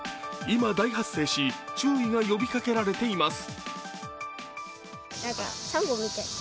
今、大発生し、注意が呼びかけられています。